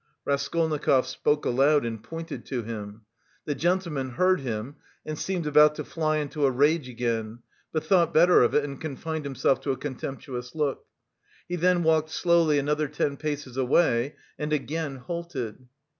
Raskolnikov spoke aloud and pointed to him. The gentleman heard him, and seemed about to fly into a rage again, but thought better of it, and confined himself to a contemptuous look. He then walked slowly another ten paces away and again halted.